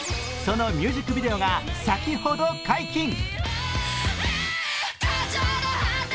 そのミュージックビデオが先ほど解禁。